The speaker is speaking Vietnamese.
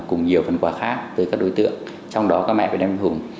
cùng nhiều phần quà khác tới các đối tượng trong đó các mẹ việt nam anh hùng